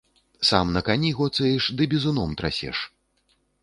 Сам на кані гоцаеш ды бізуном трасеш.